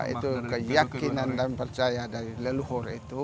itu keyakinan dan percaya dari leluhur itu